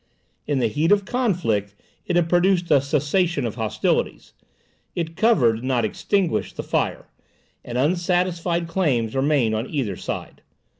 In the heat of conflict it had produced a cessation of hostilities; it covered, not extinguished, the fire, and unsatisfied claims remained on either side.